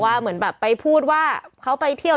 เหมือนแบบไปพูดว่าเขาไปเที่ยว